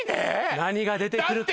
何が出てくるか？